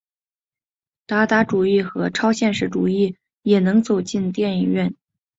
达达主义和超现实主义也能走进电影院。